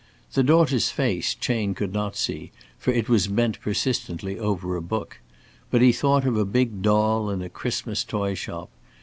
The daughter's face Chayne could not see, for it was bent persistently over a book. But he thought of a big doll in a Christmas toy shop.